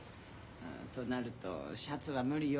となるとシャツは無理よ。